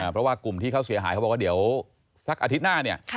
เพราะว่ากลุ่มที่เขาเสียหายเขาบอกว่าเดี๋ยวสักอาทิตย์หน้าเนี่ย